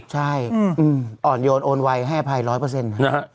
ใช่อ่อนโยนโอนไวให้อภัยร้อยเปอร์เซ็นต์